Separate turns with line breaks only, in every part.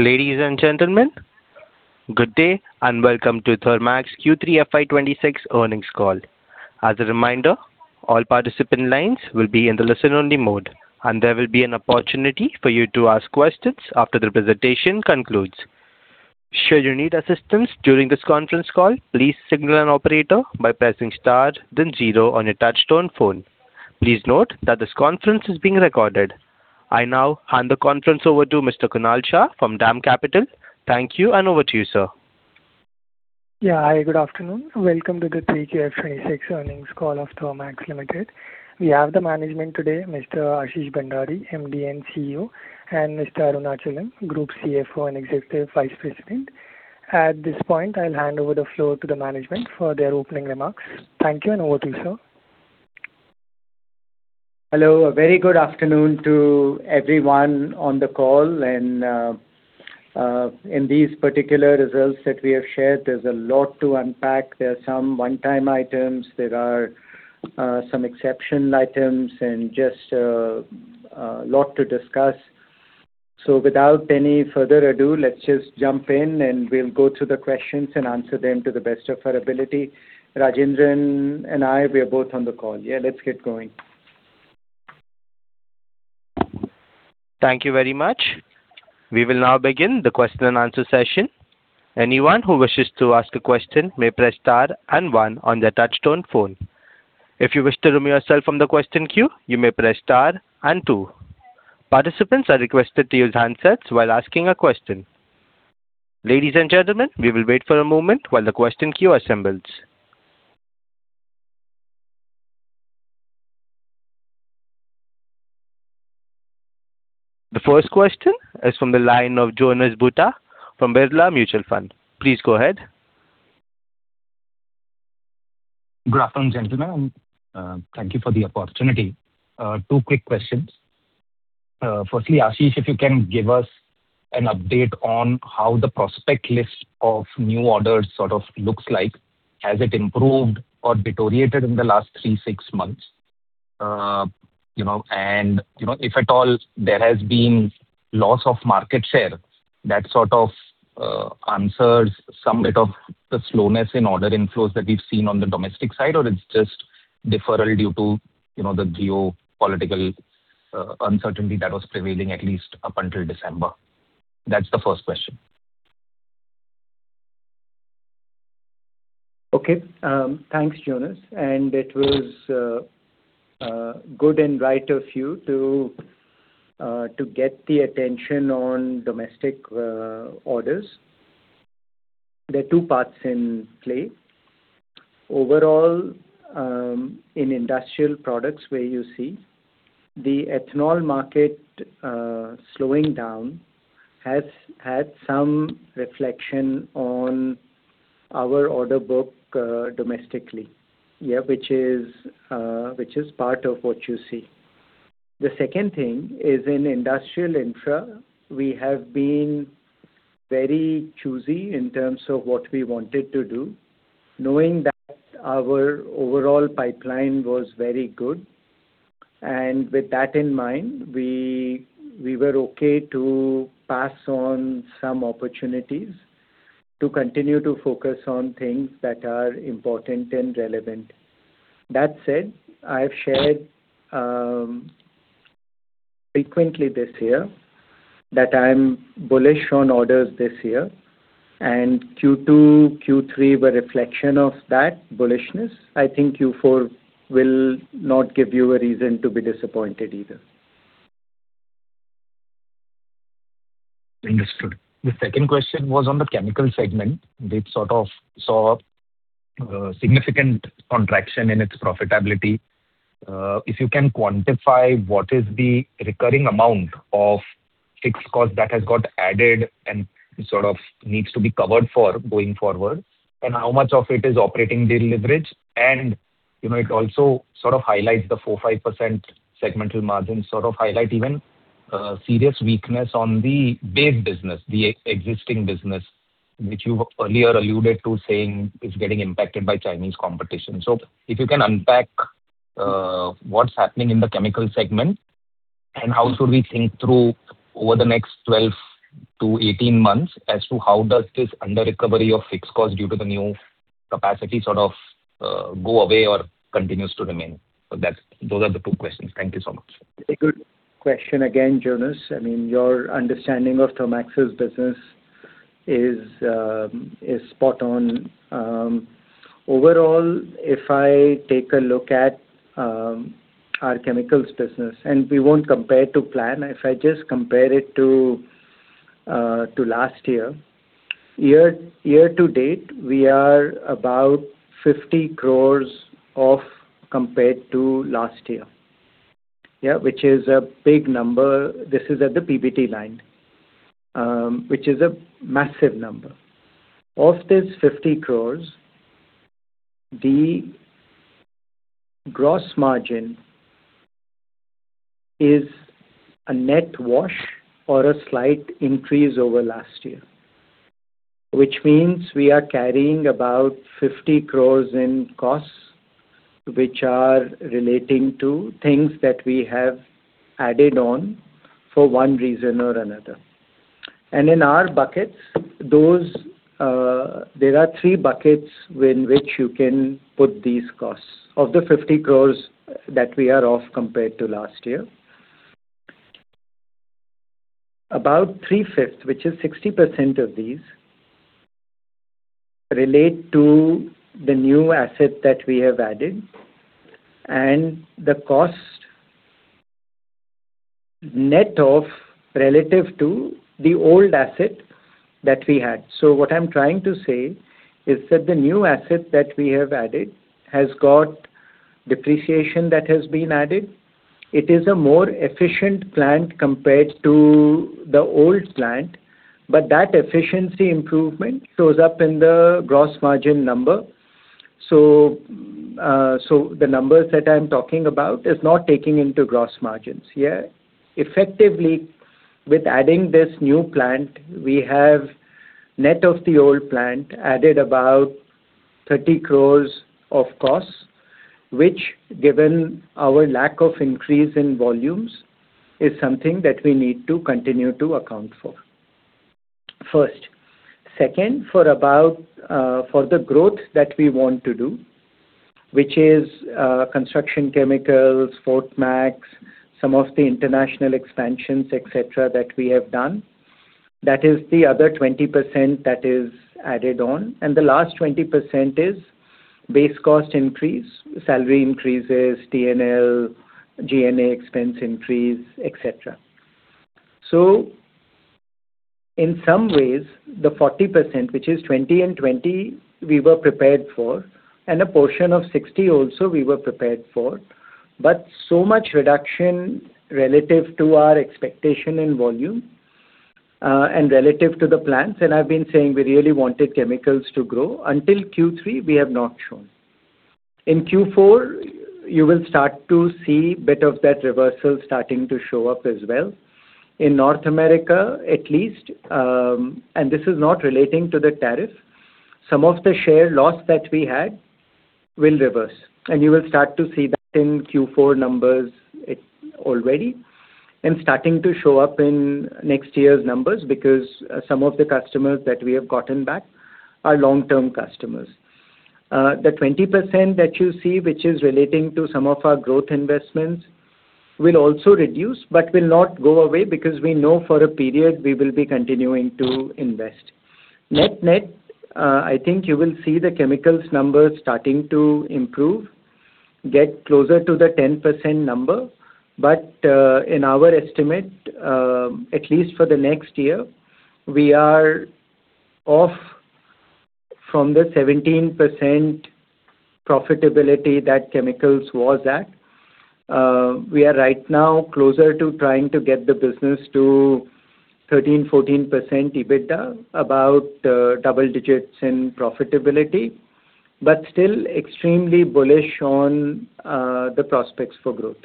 Ladies and gentlemen, good day and welcome to Thermax Q3 FY 2026 earnings call. As a reminder, all participant lines will be in the listen-only mode, and there will be an opportunity for you to ask questions after the presentation concludes. Should you need assistance during this conference call, please signal an operator by pressing star then zero on your touch-tone phone. Please note that this conference is being recorded. I now hand the conference over to Mr. Kunal Shah from DAM Capital. Thank you, and over to you, sir.
Yeah, hi, good afternoon. Welcome to the 3Q FY 2026 earnings call of Thermax Limited. We have the management today, Mr. Ashish Bhandari, MD and CEO, and Mr. Rajendran Arunachalam, Group CFO and Executive Vice President. At this point, I'll hand over the floor to the management for their opening remarks. Thank you, and over to you, sir.
Hello. A very good afternoon to everyone on the call. In these particular results that we have shared, there's a lot to unpack. There are some one-time items. There are some exceptional items, and just a lot to discuss. Without any further ado, let's just jump in, and we'll go through the questions and answer them to the best of our ability. Rajendran and I, we are both on the call. Yeah, let's get going.
Thank you very much. We will now begin the question-and-answer session. Anyone who wishes to ask a question may press star and one on their touch-tone phone. If you wish to remove yourself from the question queue, you may press star and two. Participants are requested to use handsets while asking a question. Ladies and gentlemen, we will wait for a moment while the question queue assembles. The first question is from the line of Jonas Bhutta from Birla Mutual Fund. Please go ahead.
Good afternoon, gentlemen, and thank you for the opportunity. Two quick questions. Firstly, Ashish, if you can give us an update on how the prospect list of new orders sort of looks like. Has it improved or deteriorated in the last three, six months? You know, and you know, if at all there has been loss of market share, that sort of answers some bit of the slowness in order inflows that we've seen on the domestic side, or it's just deferral due to you know, the geopolitical uncertainty that was prevailing at least up until December? That's the first question.
Okay. Thanks, Jonas. And it was good and right of you to get the attention on domestic orders. There are two parts in play. Overall, in Industrial Products where you see the ethanol market slowing down has had some reflection on our order book, domestically, yeah, which is part of what you see. The second thing is in Industrial Infra, we have been very choosy in terms of what we wanted to do, knowing that our overall pipeline was very good. And with that in mind, we were okay to pass on some opportunities to continue to focus on things that are important and relevant. That said, I have shared frequently this year that I'm bullish on orders this year. And Q2, Q3 were a reflection of that bullishness. I think Q4 will not give you a reason to be disappointed either.
Understood. The second question was on the Chemical segment. They've sort of saw a significant contraction in its profitability. If you can quantify what is the recurring amount of fixed cost that has got added and sort of needs to be covered for going forward, and how much of it is operating deal leverage. And, you know, it also sort of highlights the 4%-5% segmental margins, sort of highlight even serious weakness on the base business, the existing business, which you've earlier alluded to saying is getting impacted by Chinese competition. So if you can unpack what's happening in the Chemical segment, and how should we think through over the next 12-18 months as to how does this under-recovery of fixed cost due to the new capacity sort of go away or continues to remain? So that's those are the two questions. Thank you so much.
Very good question again, Jonas. I mean, your understanding of Thermax's business is spot-on. Overall, if I take a look at our Chemicals business, and we won't compare to plan, if I just compare it to last year, year-to-date, we are about 50 crore off compared to last year, yeah, which is a big number. This is at the PBT line, which is a massive number. Of this 50 crore, the gross margin is a net wash or a slight increase over last year, which means we are carrying about 50 crore in costs, which are relating to things that we have added on for one reason or another. And in our buckets, those there are three buckets in which you can put these costs. Of the 50 crore that we are off compared to last year, about 3/5, which is 60% of these, relate to the new asset that we have added and the cost net off relative to the old asset that we had. So what I'm trying to say is that the new asset that we have added has got depreciation that has been added. It is a more efficient plant compared to the old plant, but that efficiency improvement shows up in the gross margin number. So, so the numbers that I'm talking about is not taking into gross margins, yeah. Effectively, with adding this new plant, we have net of the old plant added about 30 crore of costs, which, given our lack of increase in volumes, is something that we need to continue to account for first. Second, for the growth that we want to do, which is construction Chemicals, Fortmax, some of the international expansions, etc., that we have done, that is the other 20% that is added on. The last 20% is base cost increase, salary increases, T&L, G&A expense increase, etc. So in some ways, the 40%, which is 20% and 20%, we were prepared for, and a portion of 60% also, we were prepared for, but so much reduction relative to our expectation in volume, and relative to the plants. I've been saying we really wanted Chemicals to grow. Until Q3, we have not shown. In Q4, you will start to see a bit of that reversal starting to show up as well. In North America, at least, and this is not relating to the tariff, some of the share loss that we had will reverse. You will start to see that in Q4 numbers already and starting to show up in next year's numbers because some of the customers that we have gotten back are long-term customers. The 20% that you see, which is relating to some of our growth investments, will also reduce but will not go away because we know for a period we will be continuing to invest. Net-net, I think you will see the Chemicals numbers starting to improve, get closer to the 10% number. In our estimate, at least for the next year, we are off from the 17% profitability that Chemicals was at. We are right now closer to trying to get the business to 13%-14% EBITDA, about, double digits in profitability, but still extremely bullish on the prospects for growth.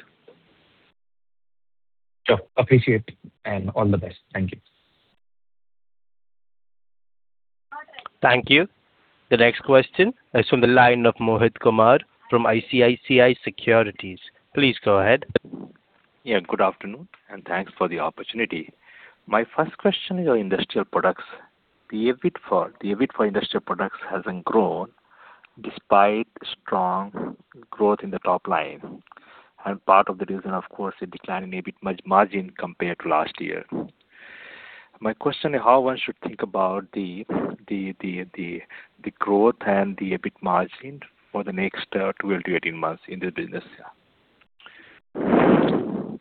Sure. Appreciate it. All the best. Thank you.
Thank you. The next question is from the line of Mohit Kumar from ICICI Securities. Please go ahead.
Yeah, good afternoon. Thanks for the opportunity. My first question is on Industrial Products. The EBIT for Industrial Products hasn't grown despite strong growth in the top line. Part of the reason, of course, is decline in EBIT margin compared to last year. My question is how one should think about the growth and the EBIT margin for the next 12-18 months in this business, yeah.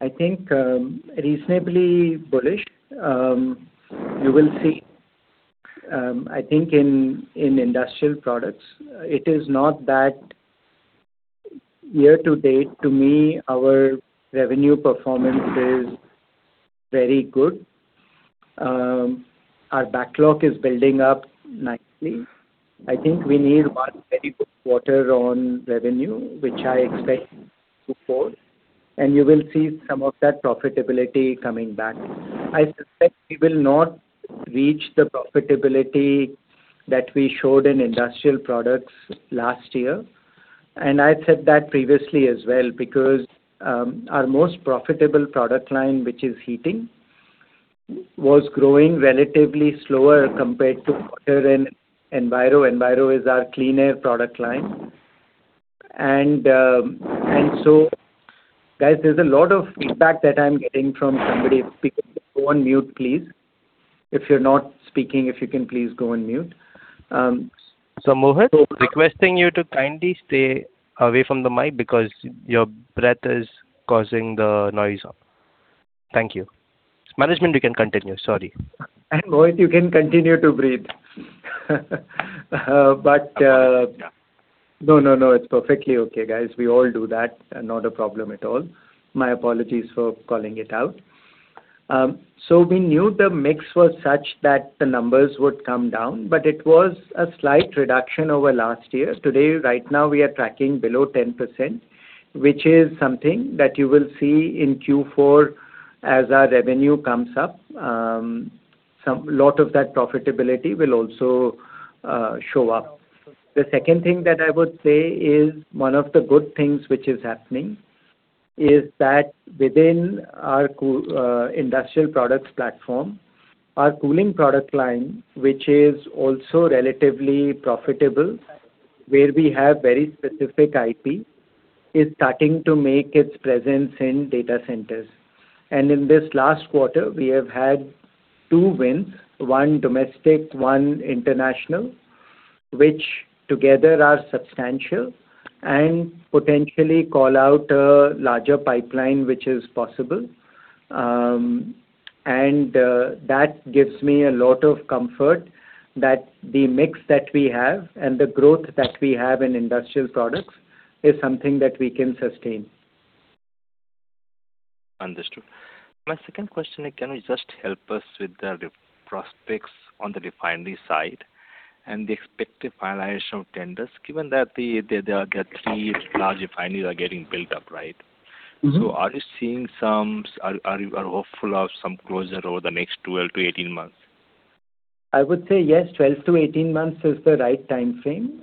I think, reasonably bullish. You will see, I think in Industrial Products, it is not that year-to-date, to me, our revenue performance is very good. Our backlog is building up nicely. I think we need one very good quarter on revenue, which I expect to support. You will see some of that profitability coming back. I suspect we will not reach the profitability that we showed in Industrial Products last year. I said that previously as well because our most profitable product line, which is heating, was growing relatively slower compared to water and Enviro. Enviro is our clean air product line. And so, guys, there's a lot of feedback that I'm getting from somebody speaking. Go on mute, please. If you're not speaking, if you can please go on mute.
So, Mohit, requesting you to kindly stay away from the mic because your breath is causing the noise up. Thank you. Management, you can continue. Sorry.
And Mohit, you can continue to breathe. But, no, no, no. It's perfectly okay, guys. We all do that. Not a problem at all. My apologies for calling it out. So we knew the mix was such that the numbers would come down, but it was a slight reduction over last year. Today, right now, we are tracking below 10%, which is something that you will see in Q4 as our revenue comes up. Some lot of that profitability will also show up. The second thing that I would say is one of the good things which is happening is that within our Industrial Products platform, our cooling product line, which is also relatively profitable, where we have very specific IP, is starting to make its presence in data centers. In this last quarter, we have had two wins, one domestic, one international, which together are substantial and potentially call out a larger pipeline, which is possible. And that gives me a lot of comfort that the mix that we have and the growth that we have in Industrial Products is something that we can sustain.
Understood. My second question is, can you just help us with the prospects on the refinery side and the expected finalization of tenders, given that the other three large refineries are getting built up, right? So are you seeing some? Are you hopeful of some closure over the next 12-18 months?
I would say yes. 12-18 months is the right time frame.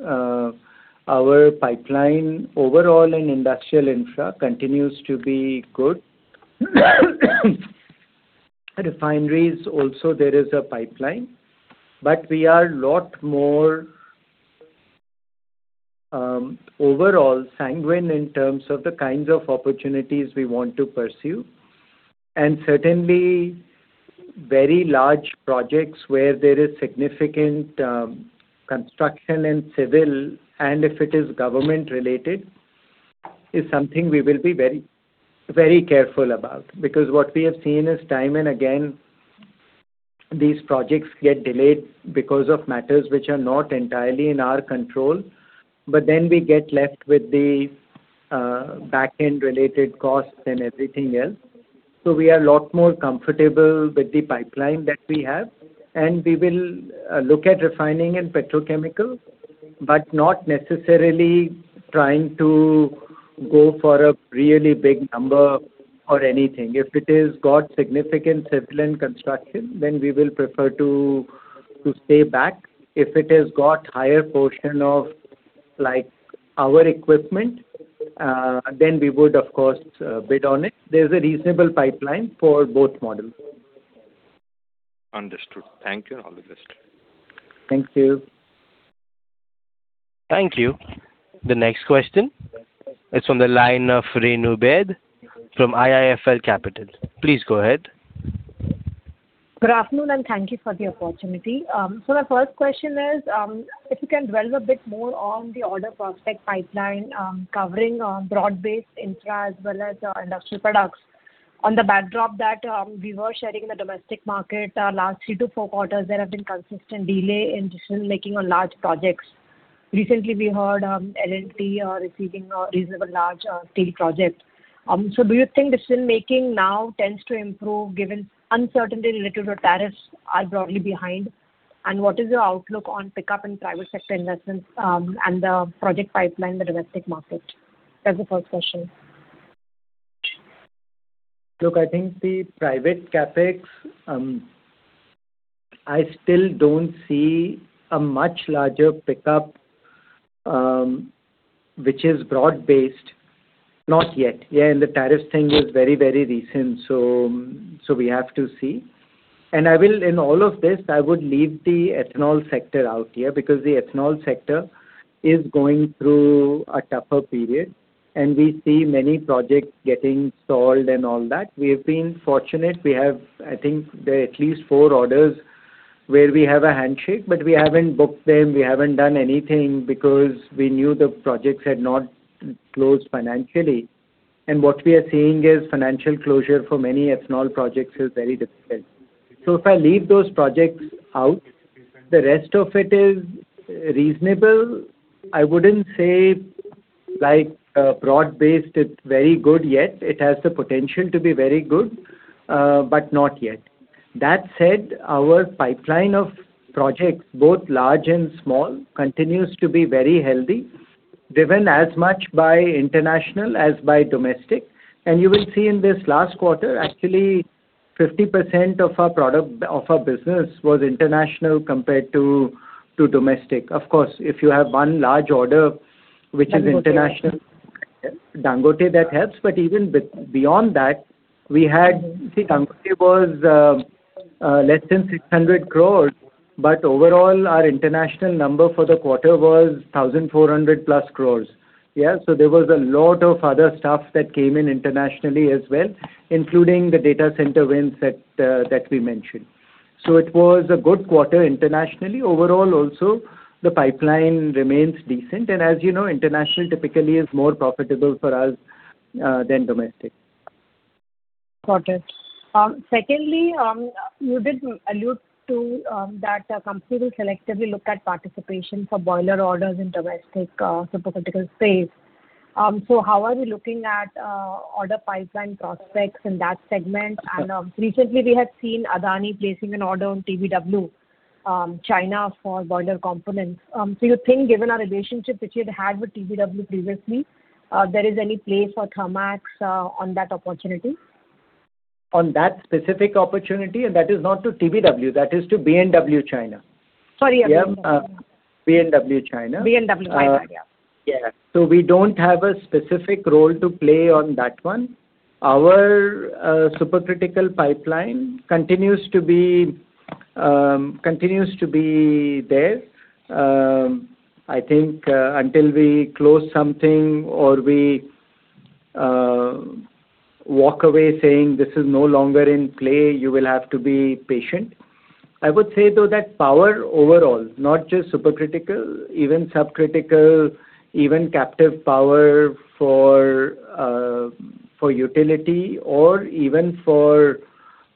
Our pipeline overall in Industrial Infra continues to be good. Refineries, also, there is a pipeline. But we are a lot more, overall sanguine in terms of the kinds of opportunities we want to pursue. And certainly, very large projects where there is significant, construction and civil, and if it is government-related, is something we will be very, very careful about because what we have seen is time and again, these projects get delayed because of matters which are not entirely in our control, but then we get left with the, backend-related costs and everything else. So we are a lot more comfortable with the pipeline that we have. And we will, look at refining and petrochemical, but not necessarily trying to go for a really big number or anything. If it has got significant civilian construction, then we will prefer to stay back. If it has got higher portion of, like, our equipment, then we would, of course, bid on it. There's a reasonable pipeline for both models.
Understood. Thank you. All the best.
Thank you.
Thank you. The next question is from the line of Renu Baid from IIFL Capital. Please go ahead.
Good afternoon. Thank you for the opportunity. My first question is, if you can dwell a bit more on the order prospect pipeline, covering broad-based infra as well as industrial products. On the backdrop that we were sharing in the domestic market, last three to four quarters, there have been consistent delay in decision-making on large projects. Recently, we heard L&T receiving reasonable large steel projects. Do you think decision-making now tends to improve given uncertainty related to tariffs are broadly behind? And what is your outlook on pickup in private sector investments, and the project pipeline in the domestic market? That's the first question.
Look, I think the private CapEx. I still don't see a much larger pickup, which is broad-based, not yet, yeah, and the tariff thing is very, very recent. So, we have to see. And I will in all of this, I would leave the ethanol sector out, yeah, because the ethanol sector is going through a tougher period. And we see many projects getting stalled and all that. We have been fortunate. We have, I think, there are at least four orders where we have a handshake, but we haven't booked them. We haven't done anything because we knew the projects had not closed financially. And what we are seeing is financial closure for many ethanol projects is very difficult. So if I leave those projects out, the rest of it is reasonable. I wouldn't say, like, broad-based, it's very good yet. It has the potential to be very good, but not yet. That said, our pipeline of projects, both large and small, continues to be very healthy, driven as much by international as by domestic. And you will see in this last quarter, actually, 50% of our product business was international compared to domestic. Of course, if you have one large order, which is international, Dangote that helps. But even beyond that, we had, see, Dangote was less than 600 crore. But overall, our international number for the quarter was 1,400+ crore, yeah? So there was a lot of other stuff that came in internationally as well, including the data center wins that we mentioned. So it was a good quarter internationally. Overall, also, the pipeline remains decent. And as you know, international typically is more profitable for us than domestic.
Got it. Secondly, you did allude to that the company will selectively look at participation for boiler orders in domestic supercritical space. So how are we looking at order pipeline prospects in that segment? And recently, we have seen Adani placing an order on B&W China for boiler components. So you think given our relationship, which you had had with TBW previously, there is any place for Thermax on that opportunity?
On that specific opportunity? And that is not to TBW. That is to B&W China.
Sorry, I mean.
Yeah, B&W China.
B&W pipeline, yeah.
Yeah. So we don't have a specific role to play on that one. Our supercritical pipeline continues to be there, I think, until we close something or we walk away saying, "This is no longer in play. You will have to be patient." I would say, though, that power overall, not just supercritical, even subcritical, even captive power for utility or even for,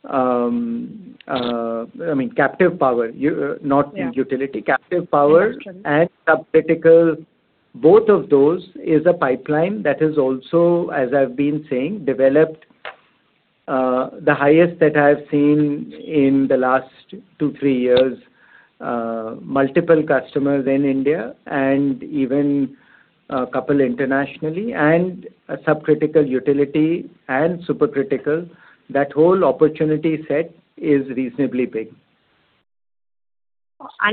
I mean, captive power, you not utility, captive power and subcritical, both of those is a pipeline that is also, as I've been saying, developed, the highest that I have seen in the last two-three years, multiple customers in India and even a couple internationally and subcritical utility and supercritical. That whole opportunity set is reasonably big.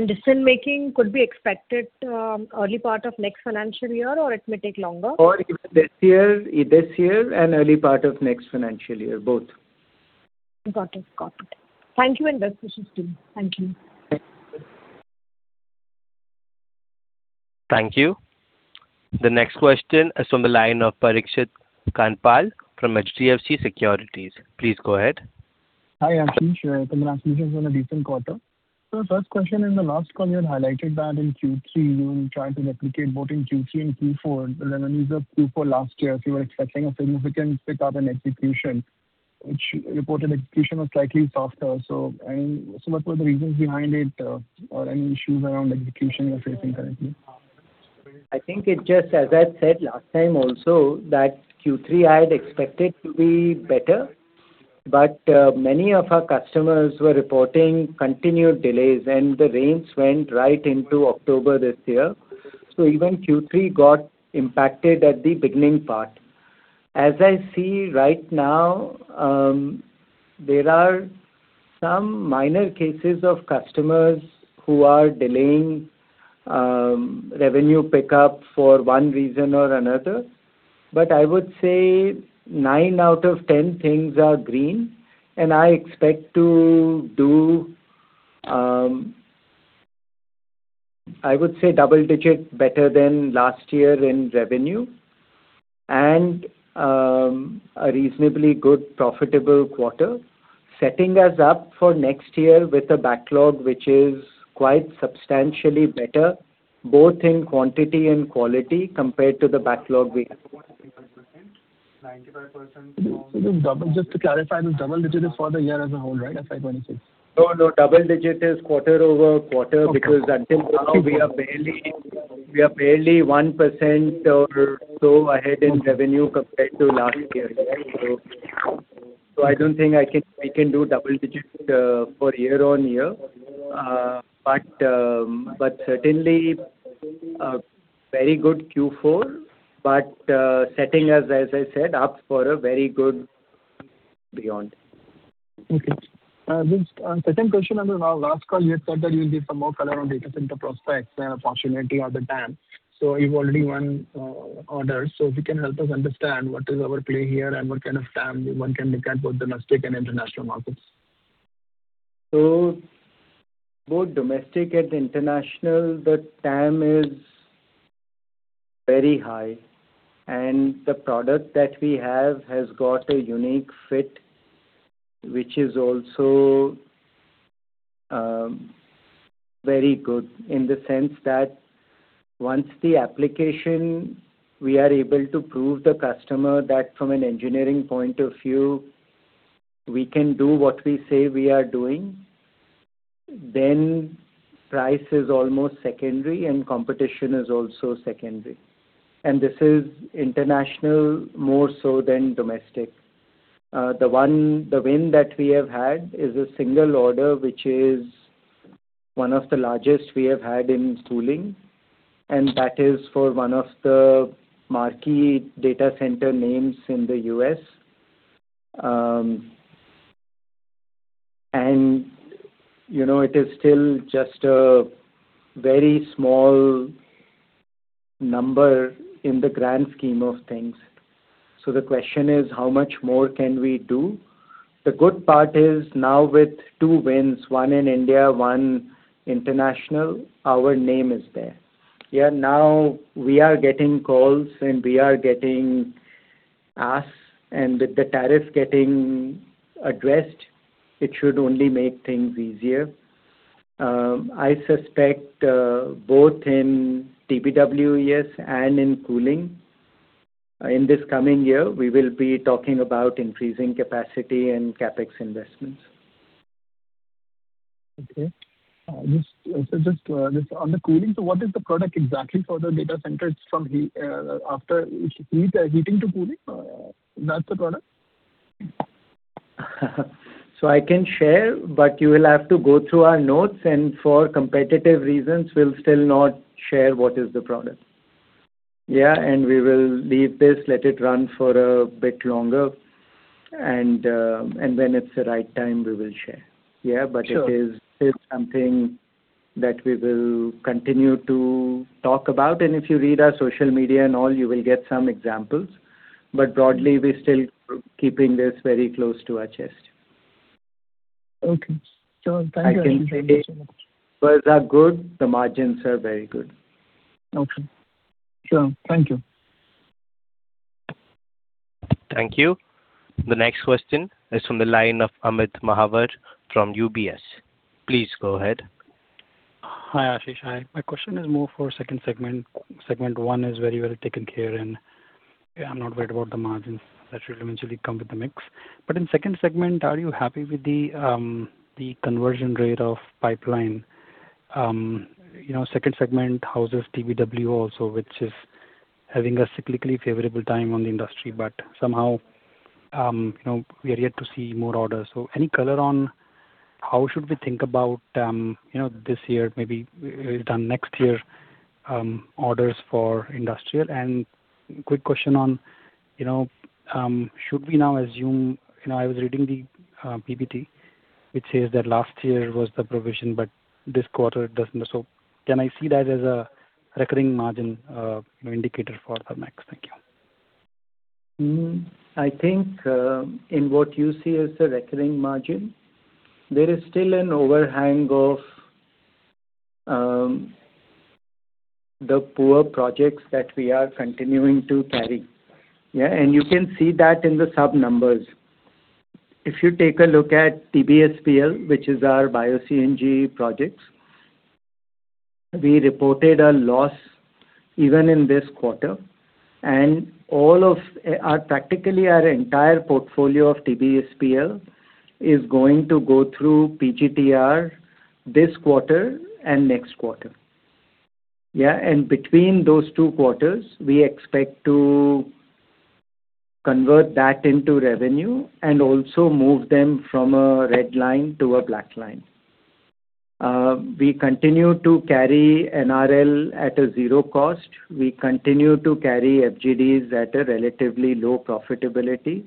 Decision-making could be expected, early part of next financial year, or it may take longer?
Or even this year, this year and early part of next financial year, both.
Got it. Got it. Thank you and best wishes too. Thank you.
Thank you.
Thank you. The next question is from the line of Parikshit Kandpal from HDFC Securities. Please go ahead.
Hi, Ashish. I think the last meeting was in a decent quarter. So the first question, in the last call, you had highlighted that in Q3, you'll try to replicate both in Q3 and Q4 the revenues of Q4 last year, so you were expecting a significant pickup in execution, which reported execution was slightly softer. So, I mean, so what were the reasons behind it, or any issues around execution you're facing currently?
I think it just, as I said last time also, that Q3 I had expected to be better. But, many of our customers were reporting continued delays. And the range went right into October this year. So even Q3 got impacted at the beginning part. As I see right now, there are some minor cases of customers who are delaying, revenue pickup for one reason or another. But I would say nine out of 10 things are green. And I expect to do, I would say, double-digit better than last year in revenue and, a reasonably good profitable quarter, setting us up for next year with a backlog which is quite substantially better, both in quantity and quality compared to the backlog we have.
So just double just to clarify, the double-digit is for the year as a whole, right, FY 2026?
No, no. Double-digit is quarter-over-quarter because until now, we are barely 1% or so ahead in revenue compared to last year, right? So, I don't think we can do double-digit for year-on-year. But certainly, very good Q4, but setting us, as I said, up for a very good beyond.
Okay. Second question, I mean, on our last call, you had said that you will give some more color on data center prospects and opportunity on the TAM. So you've already won orders. So if you can help us understand what is our play here and what kind of TAM one can look at both domestic and international markets?
So both domestic and international, the TAM is very high. And the product that we have has got a unique fit, which is also very good in the sense that once the application, we are able to prove to the customer that from an engineering point of view, we can do what we say we are doing, then price is almost secondary, and competition is also secondary. And this is international more so than domestic. The one win that we have had is a single order, which is one of the largest we have had in cooling. And that is for one of the marquee data center names in the U.S. And, you know, it is still just a very small number in the grand scheme of things. So the question is, how much more can we do? The good part is now with two wins, one in India, one international, our name is there, yeah? Now, we are getting calls, and we are getting asked. With the tariff getting addressed, it should only make things easier. I suspect, both in TBWES, and in cooling, in this coming year, we will be talking about increasing capacity and CapEx investments.
Okay. Just on the cooling, so what is the product exactly for the data center? It's from heat, after heat, heating to cooling? That's the product?
So I can share, but you will have to go through our notes. And for competitive reasons, we'll still not share what is the product, yeah? And we will leave this, let it run for a bit longer. And when it's the right time, we will share, yeah? But it is something that we will continue to talk about. And if you read our social media and all, you will get some examples. But broadly, we're still keeping this very close to our chest.
Okay. Thank you for the information.
I can say words are good. The margins are very good.
Okay. Sure. Thank you.
Thank you. The next question is from the line of Amit Mahawar from UBS. Please go ahead.
Hi, Ashish. Hi. My question is more for second segment. Segment one is very well taken care in, yeah. I'm not worried about the margins that will eventually come with the mix. But in second segment, are you happy with the, the conversion rate of pipeline? You know, second segment houses TBW also, which is having a cyclically favorable time on the industry. But somehow, you know, we are yet to see more orders. So any color on how should we think about, you know, this year, maybe done next year, orders for industrial? And quick question on, you know, should we now assume you know, I was reading the, PPT, which says that last year was the provision, but this quarter doesn't so can I see that as a recurring margin, you know, indicator for Thermax? Thank you.
I think, in what you see as the recurring margin, there is still an overhang of the poor projects that we are continuing to carry, yeah? And you can see that in the subnumbers. If you take a look at TBSPL, which is our bio-CNG projects, we reported a loss even in this quarter. And all of our practically our entire portfolio of TBSPL is going to go through PGTR this quarter and next quarter, yeah? And between those two quarters, we expect to convert that into revenue and also move them from a red line to a black line. We continue to carry NRL at a zero cost. We continue to carry FGDs at a relatively low profitability.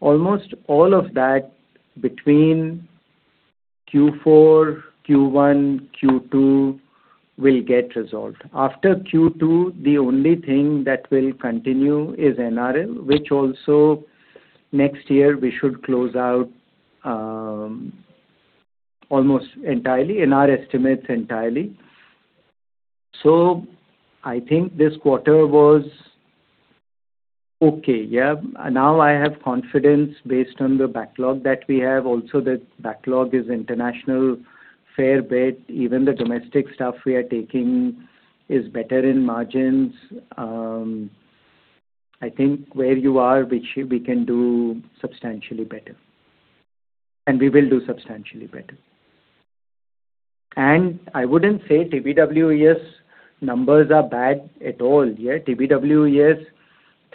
Almost all of that between Q4, Q1, Q2 will get resolved. After Q2, the only thing that will continue is NRL, which also next year, we should close out, almost entirely, in our estimates, entirely. So I think this quarter was okay, yeah? Now, I have confidence based on the backlog that we have. Also, the backlog is international fair bit. Even the domestic stuff we are taking is better in margins. I think where you are, we can do substantially better. And we will do substantially better. And I wouldn't say TBW, yes, numbers are bad at all, yeah? TBW, yes,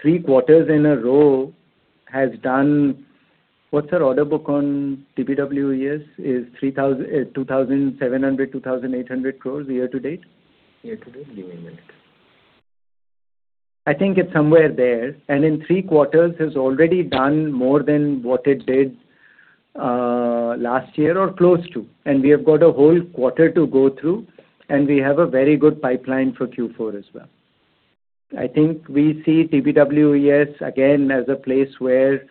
three quarters in a row has done. What's our order book on TBW, yes? Is INR 3,000, 2,700, 2,800 crores year-to-date?
Year-to-date? Give me a minute.
I think it's somewhere there. And in three quarters, it has already done more than what it did, last year or close to. And we have got a whole quarter to go through. And we have a very good pipeline for Q4 as well. I think we see TBW, yes, again, as a place where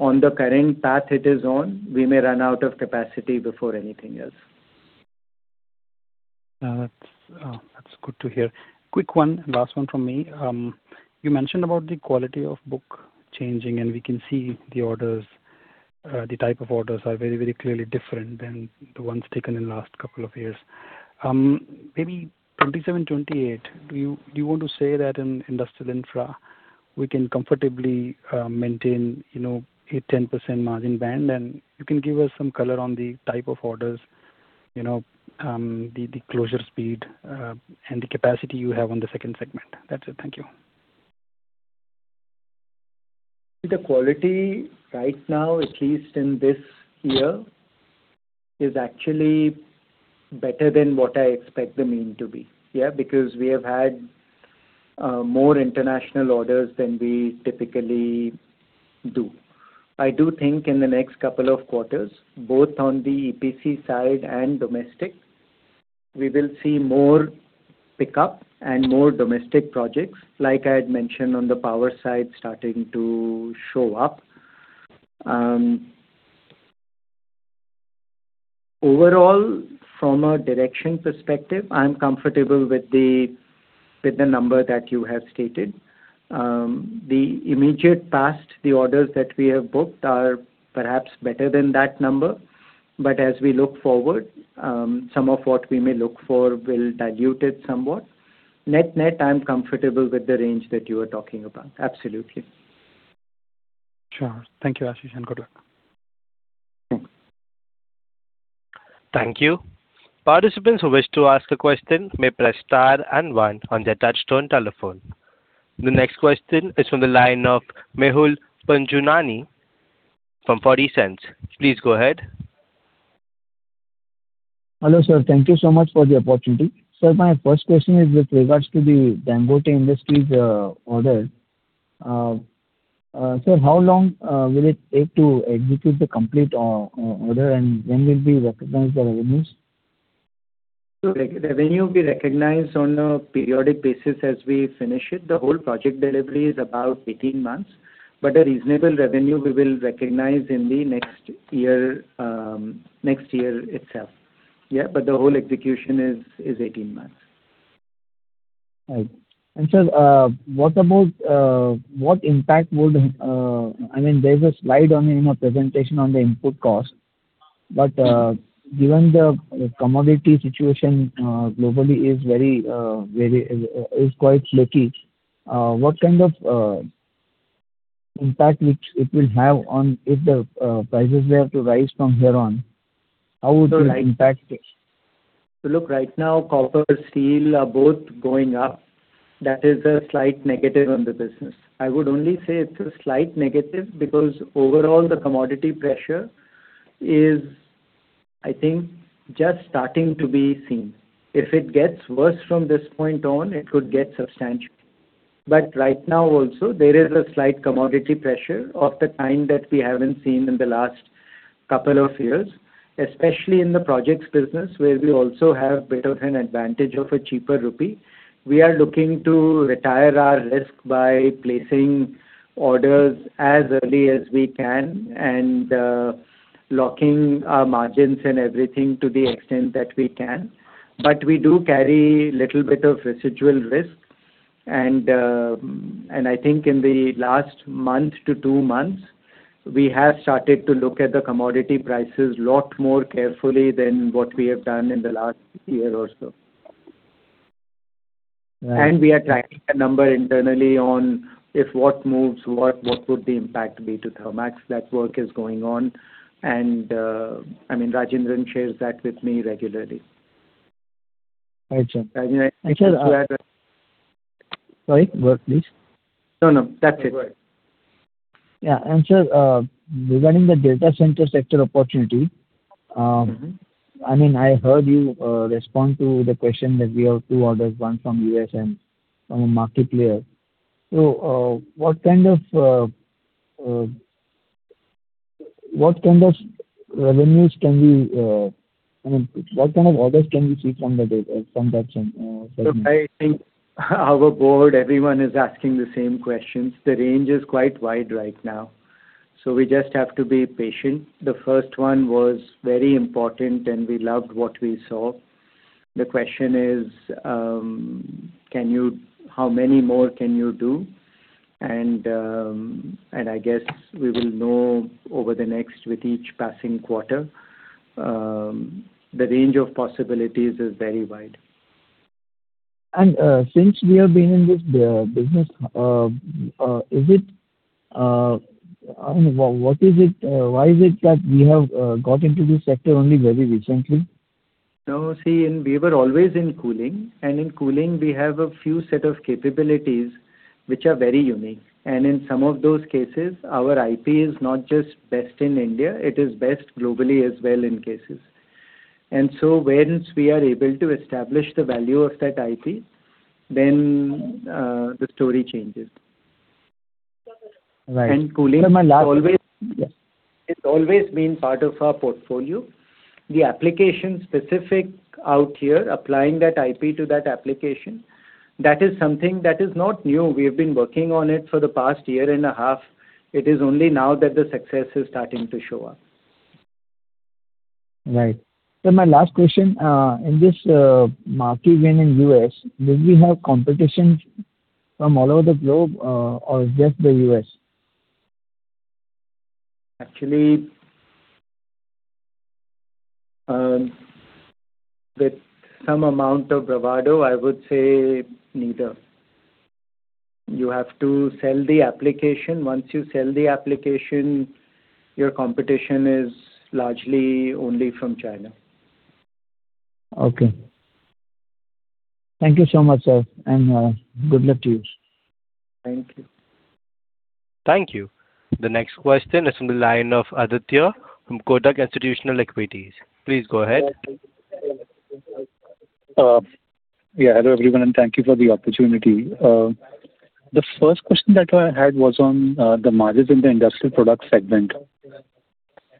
on the current path it is on, we may run out of capacity before anything else.
That's good to hear. Quick one, last one from me. You mentioned about the quality of book changing. And we can see the orders, the type of orders are very, very clearly different than the ones taken in the last couple of years. Maybe 2027, 2028, do you want to say that in Industrial Infra, we can comfortably maintain, you know, 8%-10% margin band? And you can give us some color on the type of orders, you know, the closure speed, and the capacity you have on the second segment. That's it. Thank you.
The quality right now, at least in this year, is actually better than what I expect the mean to be, yeah? Because we have had more international orders than we typically do. I do think in the next couple of quarters, both on the EPC side and domestic, we will see more pickup and more domestic projects, like I had mentioned, on the power side starting to show up. Overall, from a direction perspective, I'm comfortable with the number that you have stated. The immediate past, the orders that we have booked are perhaps better than that number. But as we look forward, some of what we may look for will dilute it somewhat. Net-net, I'm comfortable with the range that you are talking about, absolutely.
Sure. Thank you, Ashish, and good luck.
Thanks.
Thank you. Participants who wish to ask a question may press star and one on their touch-tone telephone. The next question is from the line of Mehul Panjwani from 40 Cents. Please go ahead.
Hello, sir. Thank you so much for the opportunity. Sir, my first question is with regards to the Dangote Industries order. Sir, how long will it take to execute the complete order? And when will we recognize the revenues?
Revenue will be recognized on a periodic basis as we finish it. The whole project delivery is about 18 months. But a reasonable revenue, we will recognize in the next year, next year itself, yeah? But the whole execution is 18 months.
Right. And sir, what about what impact would—I mean, there's a slide on in a presentation on the input cost. But, given the commodity situation, globally is very flaky, what kind of impact which it will have on if the prices were to rise from here on, how would it impact?
So right, so look, right now, copper, steel are both going up. That is a slight negative on the business. I would only say it's a slight negative because overall, the commodity pressure is, I think, just starting to be seen. If it gets worse from this point on, it could get substantial. But right now also, there is a slight commodity pressure of the kind that we haven't seen in the last couple of years, especially in the projects business where we also have the advantage of a cheaper rupee. We are looking to retire our risk by placing orders as early as we can and locking our margins and everything to the extent that we can. But we do carry a little bit of residual risk. I think in the last month to two months, we have started to look at the commodity prices a lot more carefully than what we have done in the last year or so.
Right.
We are tracking a number internally on if what moves, what would the impact be to Thermax. That work is going on. I mean, Rajendran shares that with me regularly.
Right, sir.
I think to add that.
Sorry? Work, please.
No, no. That's it.
Yeah. And sir, regarding the data center sector opportunity,I mean, I heard you respond to the question that we have two orders, one from U.S. and from a market player. So, what kind of, what kind of revenues can we, I mean, what kind of orders can we see from the data from that segment?
So I think our board, everyone is asking the same questions. The range is quite wide right now. So we just have to be patient. The first one was very important, and we loved what we saw. The question is, can you how many more can you do? And, and I guess we will know over the next with each passing quarter. The range of possibilities is very wide.
Since we have been in this business, is it, I mean, what is it, why is it that we have got into this sector only very recently?
So, see, we were always in cooling. In cooling, we have a few set of capabilities which are very unique. In some of those cases, our IP is not just best in India. It is best globally as well in cases. So once we are able to establish the value of that IP, then the story changes.
Right.
Cooling has always, yes. It's always been part of our portfolio. The application-specific out here, applying that IP to that application, that is something that is not new. We have been working on it for the past year and a half. It is only now that the success is starting to show up.
Right. So my last question, in this, market win in U.S., do we have competition from all over the globe, or just the U.S.?
Actually, with some amount of bravado, I would say neither. You have to sell the application. Once you sell the application, your competition is largely only from China.
Okay. Thank you so much, sir. And, good luck to you.
Thank you.
Thank you. The next question is from the line of Aditya from Kotak Institutional Equities. Please go ahead.
Yeah. Hello, everyone. Thank you for the opportunity. The first question that I had was on the margins in the industrial product segment.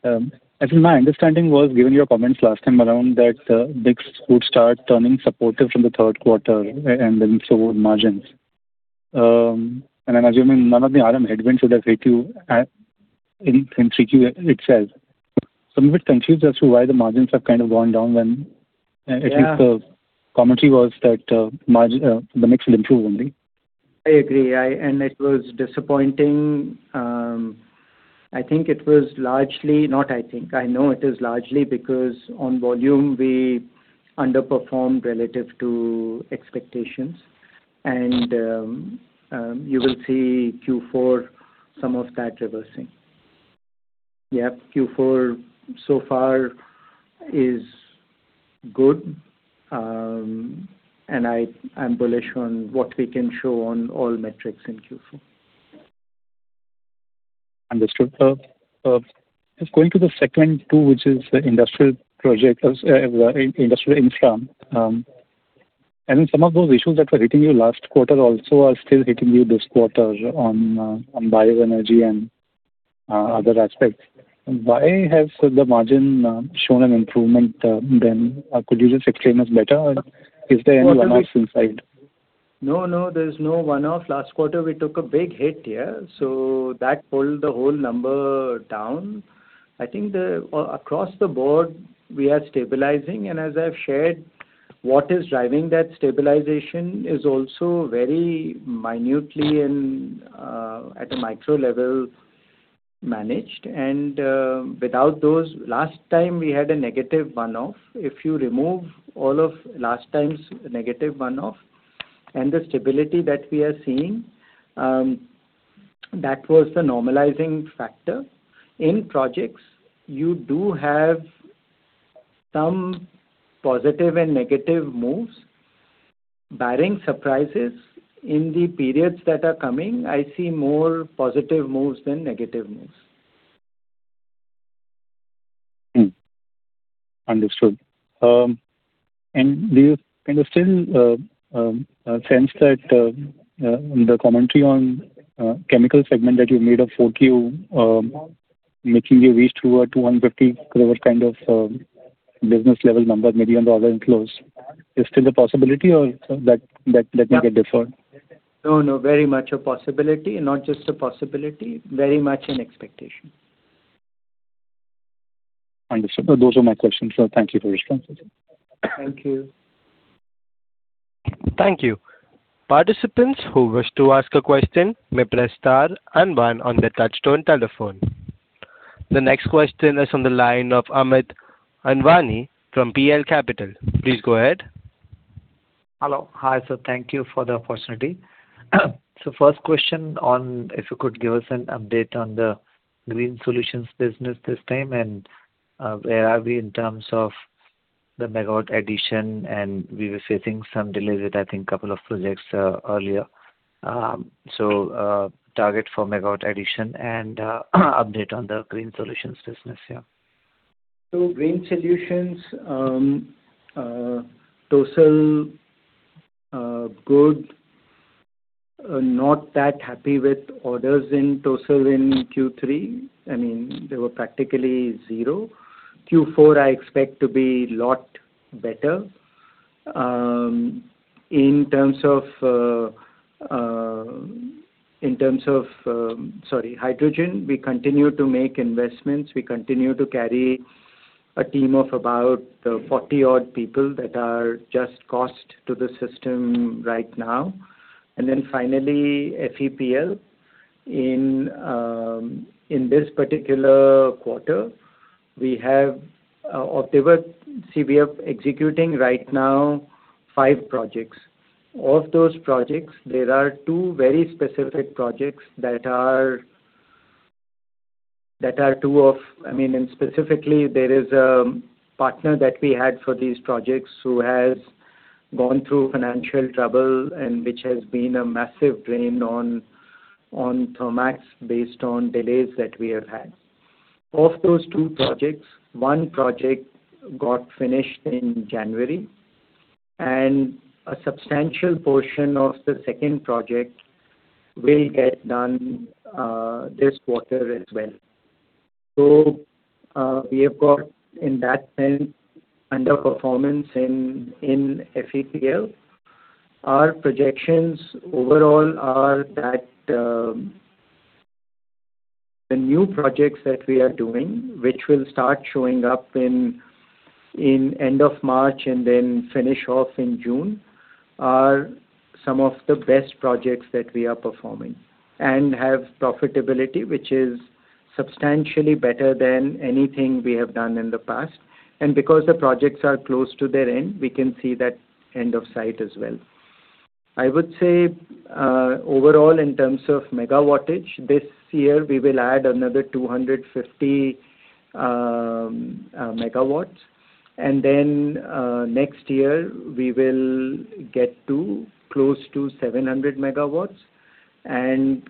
I think my understanding was, given your comments last time around, that mix would start turning supportive from the third quarter, and then so would margins. And I'm assuming none of the RM headwinds would have hit you in 3Q itself. So a bit confused as to why the margins have kind of gone down when, at least the—
Yeah.
Commentary was that, margin the mix will improve only.
I agree. And it was disappointing. I think it was largely. I know it is largely because on volume, we underperformed relative to expectations. And you will see Q4 some of that reversing. Yeah. Q4 so far is good. I'm bullish on what we can show on all metrics in Q4.
Understood. Just going to the second two, which is the industrial project or the Industrial Infra, I mean, some of those issues that were hitting you last quarter also are still hitting you this quarter on bioenergy and other aspects. Why has the margin shown an improvement, then? Could you just explain this better? And is there any one-offs inside?
No, no. There's no one-off. Last quarter, we took a big hit here. So that pulled the whole number down. I think overall across the board, we are stabilizing. And as I've shared, what is driving that stabilization is also very minutely and, at a micro level, managed. And, without those last time, we had a negative one-off. If you remove all of last time's negative one-off and the stability that we are seeing, that was the normalizing factor. In projects, you do have some positive and negative moves. Barring surprises, in the periods that are coming, I see more positive moves than negative moves.
Understood. Do you kind of still sense that the commentary on Chemical segment that you've made of 4Q, making you reach through 250 crore kind of business level number, maybe on the order inflows, is still a possibility, or that may get deferred?
No, no. Very much a possibility. Not just a possibility. Very much an expectation.
Understood. Those are my questions. Thank you for your responses.
Thank you.
Thank you. Participants who wish to ask a question may press star and one on their touch-tone telephone. The next question is from the line of Amit Anwani from PL Capital. Please go ahead.
Hello. Hi, sir. Thank you for the opportunity. So, first question: if you could give us an update on the Green Solutions business this time and where are we in terms of the megawatt addition. We were facing some delays with, I think, a couple of projects earlier. Target for megawatt addition and update on the Green Solutions business here.
So green solutions, TOESL, good. Not that happy with orders in TOESL in Q3. I mean, they were practically zero. Q4, I expect to be a lot better. In terms of, sorry, hydrogen, we continue to make investments. We continue to carry a team of about 40-odd people that are just cost to the system right now. And then finally, FEPL. In this particular quarter, we are executing right now 5 projects. Of those projects, there are two very specific projects that are two of—I mean, and specifically, there is a partner that we had for these projects who has gone through financial trouble and which has been a massive drain on Thermax based on delays that we have had. Of those two projects, one project got finished in January. And a substantial portion of the second project will get done, this quarter as well. So, we have got, in that sense, underperformance in, in FEPL. Our projections overall are that, the new projects that we are doing, which will start showing up in, in end of March and then finish off in June, are some of the best projects that we are performing and have profitability, which is substantially better than anything we have done in the past. And because the projects are close to their end, we can see that end of sight as well. I would say, overall, in terms of megawattage, this year, we will add another 250 MW. And then, next year, we will get to close to 700 MW and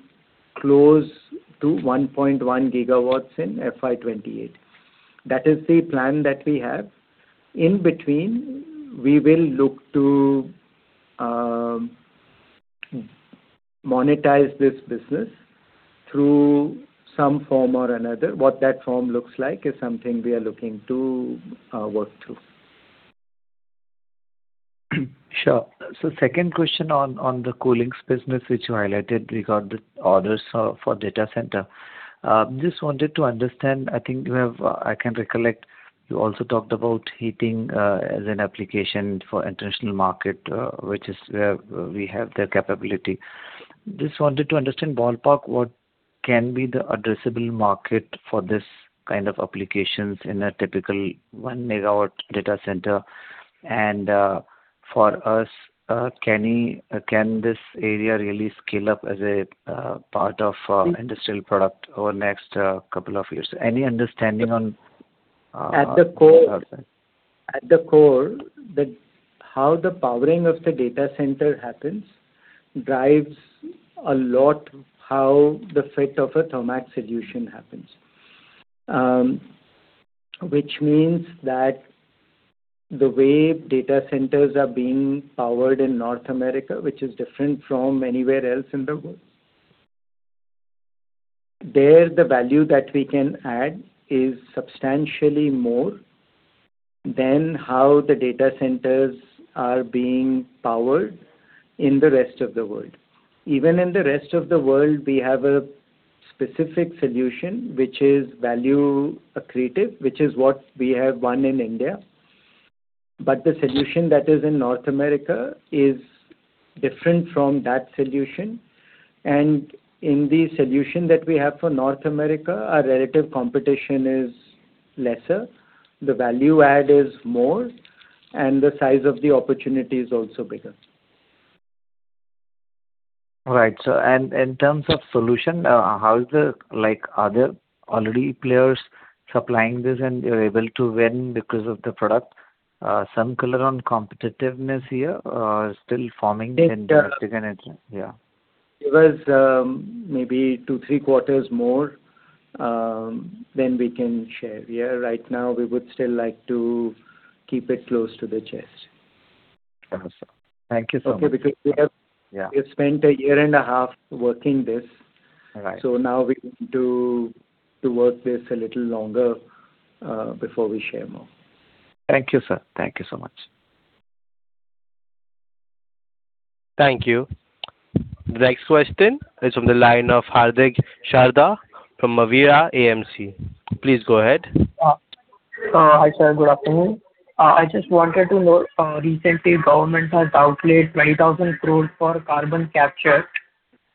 close to 1.1 GW in FY 2028. That is the plan that we have. In between, we will look to monetize this business through some form or another. What that form looks like is something we are looking to work through.
Sure. So, second question on the cooling business, which you highlighted regarding the orders for data center. Just wanted to understand. I think I can recollect, you also talked about heating as an application for international market, which is where we have the capability. Just wanted to understand ballpark what can be the addressable market for this kind of applications in a typical 1-MW data center. And, for us, can this area really scale up as a part of Industrial Products over the next couple of years? Any understanding on the outside?
At the core at the core, the how the powering of the data center happens drives a lot how the fit of a Thermax solution happens, which means that the way data centers are being powered in North America, which is different from anywhere else in the world, there, the value that we can add is substantially more than how the data centers are being powered in the rest of the world. Even in the rest of the world, we have a specific solution which is value accretive, which is what we have won in India. But the solution that is in North America is different from that solution. And in the solution that we have for North America, our relative competition is lesser. The value add is more. And the size of the opportunity is also bigger.
Right. So, in terms of solution, how is the, like, are there already players supplying this, and you're able to win because of the product? Some color on competitiveness here, still forming in domestic and interest?
Yeah. There was maybe two, three quarters more than we can share here. Right now, we would still like to keep it close to the chest.
Awesome. Thank you so much.
Okay. Because we have.
Yeah.
We have spent a year and a half working this.
Right.
So now, we want to work this a little longer before we share more.
Thank you, sir. Thank you so much.
Thank you. The next question is from the line of Hardik Sharda from MAVIRA AMC. Please go ahead.
Hi, sir. Good afternoon. I just wanted to know, recently, government has outlaid 20,000 crore for carbon capture.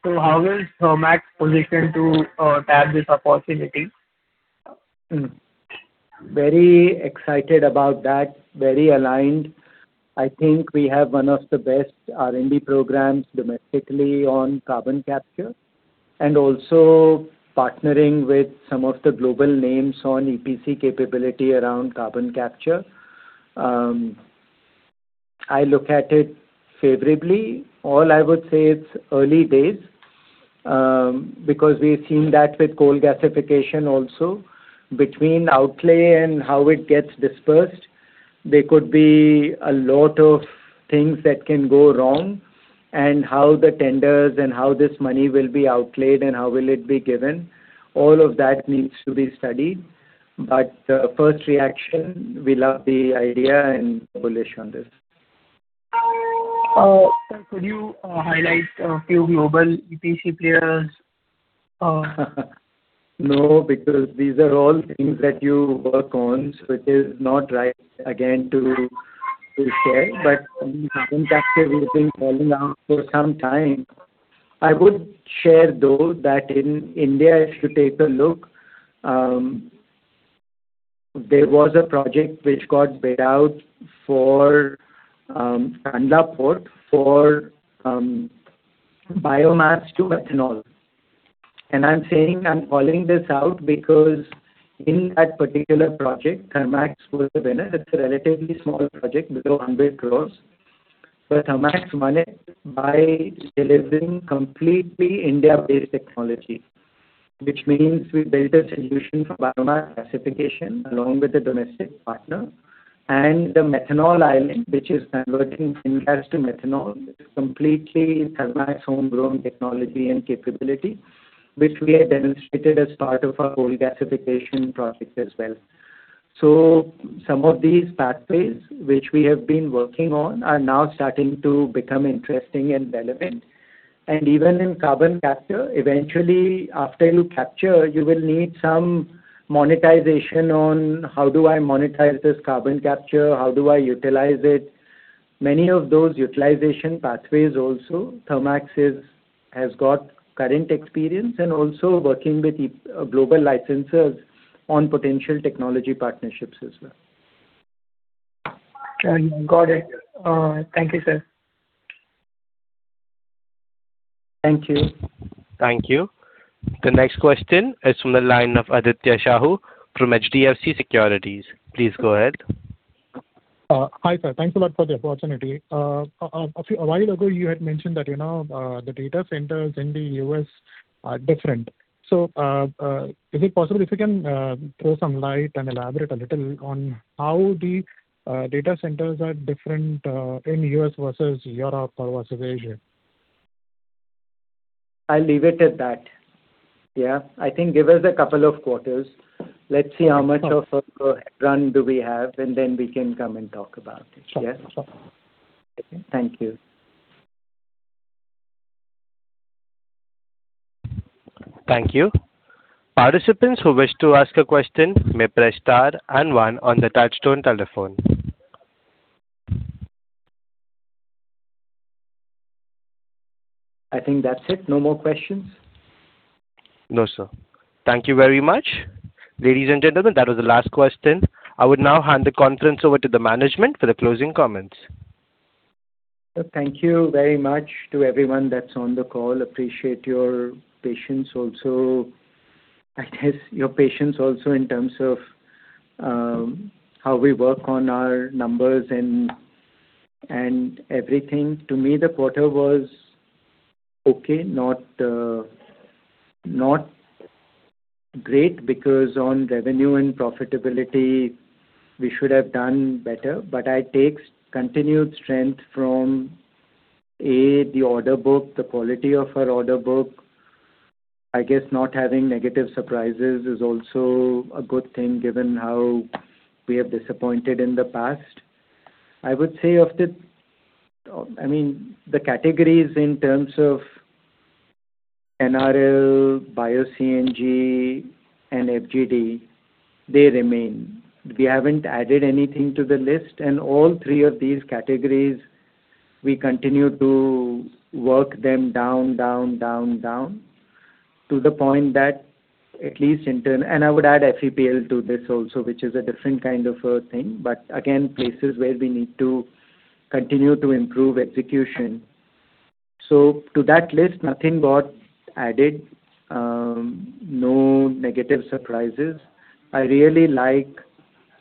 So how is Thermax positioned to tap this opportunity?
Very excited about that. Very aligned. I think we have one of the best R&D programs domestically on carbon capture and also partnering with some of the global names on EPC capability around carbon capture. I look at it favorably. All I would say, it's early days, because we've seen that with coal gasification also. Between outlay and how it gets dispersed, there could be a lot of things that can go wrong. And how the tenders and how this money will be outlaid and how will it be given, all of that needs to be studied. But, first reaction, we love the idea and bullish on this.
Sir, could you highlight a few global EPC players?
No, because these are all things that you work on, which is not right, again, to share. But carbon capture, we've been calling out for some time. I would share, though, that in India, if you take a look, there was a project which got bid out for Kandla Port for biomass to ethanol. And I'm saying I'm calling this out because in that particular project, Thermax was a winner. It's a relatively small project below 100 crore. But Thermax won it by delivering completely India-based technology, which means we built a solution for biomass gasification along with a domestic partner. And the methanol island, which is converting green gas to methanol, is completely Thermax homegrown technology and capability, which we had demonstrated as part of our coal gasification project as well. Some of these pathways, which we have been working on, are now starting to become interesting and relevant. Even in carbon capture, eventually, after you capture, you will need some monetization on, "How do I monetize this carbon capture? How do I utilize it?" Many of those utilization pathways also, Thermax has got current experience and also working with global licensors on potential technology partnerships as well.
Yeah. Got it. Thank you, sir.
Thank you.
Thank you. The next question is from the line of Aditya Sahu from HDFC Securities. Please go ahead.
Hi, sir. Thanks a lot for the opportunity. A while ago, you had mentioned that, you know, the data centers in the U.S. are different. So, is it possible if you can throw some light and elaborate a little on how the data centers are different in the U.S. versus Europe or versus Asia?
I'll leave it at that. Yeah. I think give us a couple of quarters. Let's see how much of a, a headrun do we have. And then we can come and talk about it. Yeah?
Sure. Sure.
Okay. Thank you.
Thank you. Participants who wish to ask a question may press star and one on the touch-tone telephone.
I think that's it. No more questions?
No, sir. Thank you very much. Ladies and gentlemen, that was the last question. I would now hand the conference over to the management for the closing comments.
So thank you very much to everyone that's on the call. Appreciate your patience also. I guess your patience also in terms of how we work on our numbers and everything. To me, the quarter was okay, not great because on revenue and profitability, we should have done better. But I take continued strength from A, the order book, the quality of our order book. I guess not having negative surprises is also a good thing given how we have disappointed in the past. I would say of the, I mean, the categories in terms of NRL, BioCNG, and FGD, they remain. We haven't added anything to the list. All three of these categories, we continue to work them down, down, down, down to the point that at least internally and I would add FEPL to this also, which is a different kind of a thing. But again, places where we need to continue to improve execution. So to that list, nothing got added, no negative surprises. I really like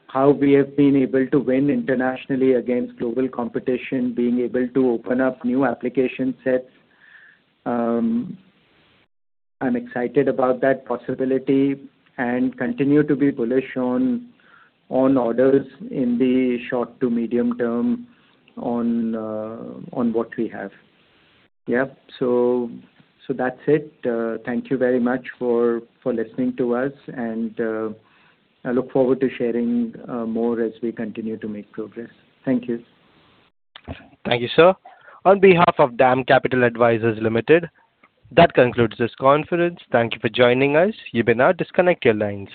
how we have been able to win internationally against global competition, being able to open up new application sets. I'm excited about that possibility and continue to be bullish on orders in the short to medium term on what we have. Yeah. So that's it. Thank you very much for listening to us. I look forward to sharing more as we continue to make progress. Thank you.
Thank you, sir. On behalf of DAM Capital Advisors Limited, that concludes this conference. Thank you for joining us. You may now disconnect your lines.